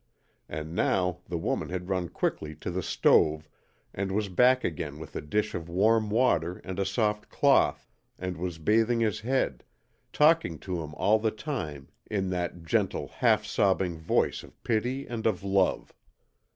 And now the woman had run quickly to the stove, and was back again with a dish of warm water and a soft cloth, and was bathing his head, talking to him all the time in that gentle, half sobbing voice of pity and of love.